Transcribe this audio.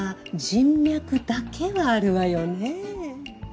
人脈だけはあるわよねぇ。